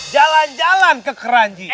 jalan jalan ke keranji